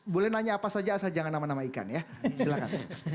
boleh nanya apa saja asal jangan nama nama ikan ya silahkan